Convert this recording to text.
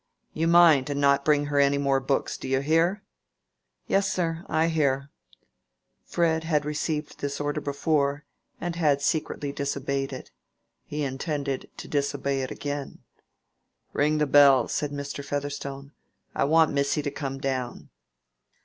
You mind and not bring her any more books, do you hear?" "Yes, sir, I hear." Fred had received this order before, and had secretly disobeyed it. He intended to disobey it again. "Ring the bell," said Mr. Featherstone; "I want missy to come down."